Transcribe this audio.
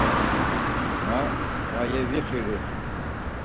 Ma va yevixiri.